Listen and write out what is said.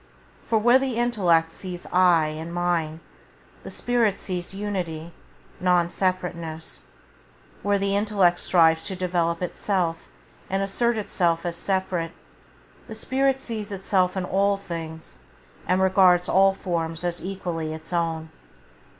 For where the intellect sees " I " and mine the spirit sees unity, non separateness; where the intellect strives to develop itself and assert itself as separate, the spirit sees itself in all things and regards all forms as equally its own.